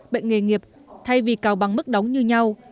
bệnh nghề nghiệp thay vì cao bằng mức đóng như nhau